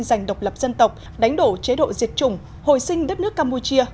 giành độc lập dân tộc đánh đổ chế độ diệt chủng hồi sinh đất nước campuchia